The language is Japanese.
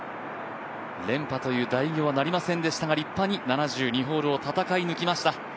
連覇という大偉業はなりませんでしたが、立派に７２ホールを戦い抜きました。